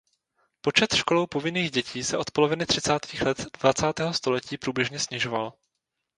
Počet školou povinných dětí se od poloviny třicátých let dvacátého století průběžně snižoval.